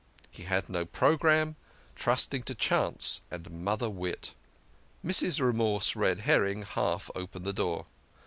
He had no programme, trusting to chance and mother wit. Mrs. Remorse Red herring half opened the door.